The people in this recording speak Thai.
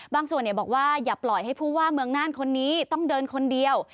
บางส่วนบอกว่าอย่าปล่อยให้ผู้ว่าเมืองน่านคนนี้ต้องเดินคนเดียว